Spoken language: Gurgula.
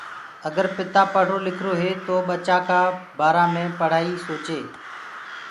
آگر پتآ پڙهرو لکرو هي تو ٻچآ ڪآ بآرآ مي پڙهآئي سوچي